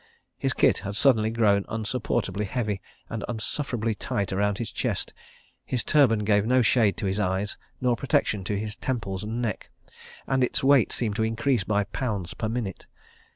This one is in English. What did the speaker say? His kit had suddenly grown insupportably heavy and unsufferably tight about his chest; his turban gave no shade to his eyes nor protection to his temples and neck, and its weight seemed to increase by pounds per minute.